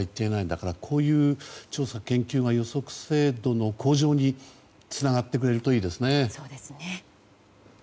だからこういう調査・研究が予測精度の向上につながるといいですね。